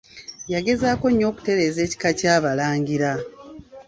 Yageezaako nnyo okutereeza Ekika ky'Abalangira.